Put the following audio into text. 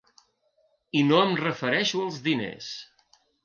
I no em refereixo als diners.